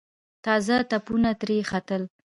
تازه تپونه ترې ختل.